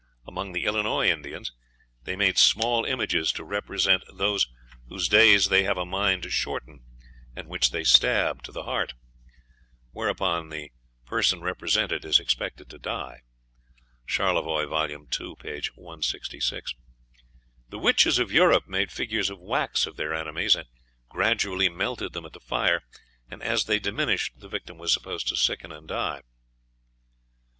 Among the Illinois Indians "they made small images to represent those whose days they have a mind to shorten, and which they stab to the heart," whereupon the person represented is expected to die. (Charlevoix, vol. ii., p. 166.) The witches of Europe made figures of wax of their enemies, and gradually melted them at the fire, and as they diminished the victim was supposed to sicken and die.